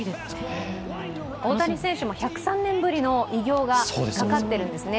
大谷選手も１０３年ぶりの偉業が懸かっているんですね。